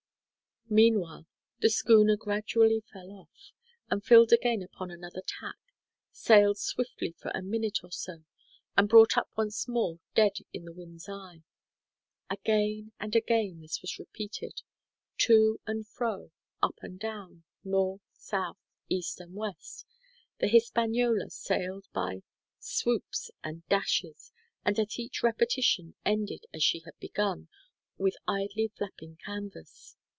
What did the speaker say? Meanwhile, the schooner gradually fell off, and filled again upon another tack, sailed swiftly for a minute or so, and brought up once more dead in the wind's eye. Again and again was this repeated. To and fro, up and down, north, south, east, and west, the Hispaniola sailed by swoops and dashes, and at each repetition ended as she had begun, with idly flapping canvas.